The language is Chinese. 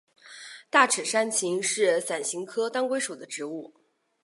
大齿山芹是伞形科当归属的植物。